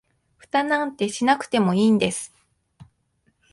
フタなんてしなくてもいいんです